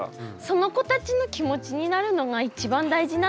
その子たちの気持ちになるのが一番大事なんだなと思って。